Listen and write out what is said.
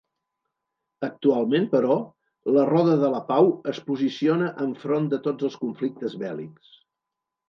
Actualment, però, la Roda de la Pau es posiciona enfront de tots els conflictes bèl·lics.